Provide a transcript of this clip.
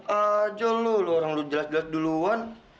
jangan jol lu orang lu jelas jelas duluan